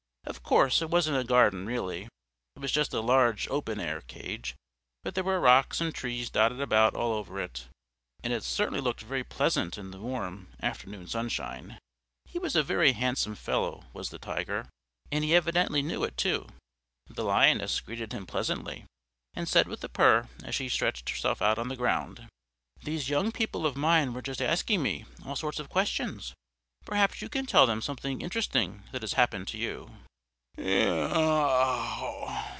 Of course, it wasn't a garden really, it was just a large open air cage, but there were rocks and trees dotted about all over it, and it certainly looked very pleasant in the warm afternoon sunshine. He was a very handsome fellow, was the Tiger, and he evidently knew it, too. The Lioness greeted him pleasantly, and said with a purr as she stretched herself out on the ground, "These young people of mine were just asking me all sorts of questions; perhaps you can tell them something interesting that has happened to you?"